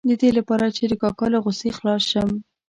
د دې لپاره چې د کاکا له غوسې خلاص شم.